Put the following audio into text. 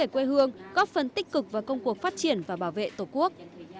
quê hương góp phần tích cực vào công cuộc phát triển và bảo vệ tổ quốc